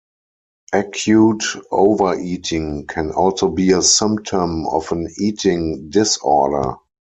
Acute overeating can also be a symptom of an eating disorder.